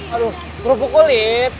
aduh kerupuk kulit